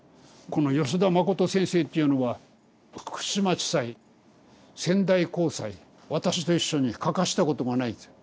この吉田信先生っていうのは福島地裁仙台高裁私と一緒に欠かしたことがないんですよ。